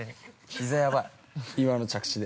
◆ひざやばい、今の着地で。